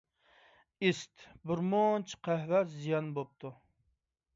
ئىسىت، بىر مۇنچە قەھۋە زىيان بوپتۇ.